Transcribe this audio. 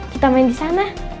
kita main disana